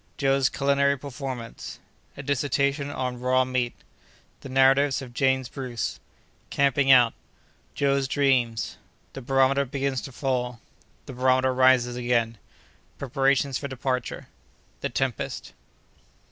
—Joe's Culinary Performance.—A Dissertation on Raw Meat.—The Narrative of James Bruce.—Camping out.—Joe's Dreams.—The Barometer begins to fall.—The Barometer rises again.—Preparations for Departure.—The Tempest.